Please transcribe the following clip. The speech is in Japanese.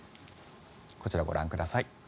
こちらご覧ください。